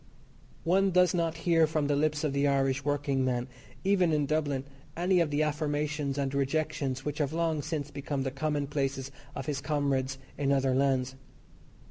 One does not hear from the lips of the Irish workingman, even in Dublin, any of the affirmations and rejections which have long since become the commonplaces of his comrades in other lands.